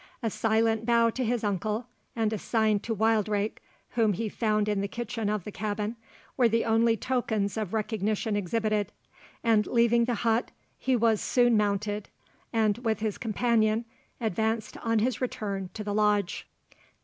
A silent bow to his uncle, and a sign to Wildrake, whom he found in the kitchen of the cabin, were the only tokens of recognition exhibited, and leaving the hut, he was soon mounted, and, with his companion, advanced on his return to the Lodge.